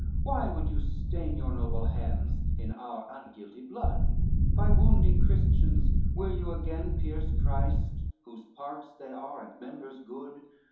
why would you stain Your noble hands in our unguilty blood? By wounding Christians, will you again Pierce Christ, whose parts they are and members good?